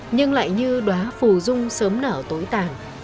nhưng lại như đoá phù rung sớm nở tối tàn